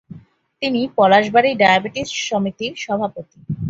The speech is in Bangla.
তিনি পলাশবাড়ী ডায়াবেটিস সমিতির সভাপতি।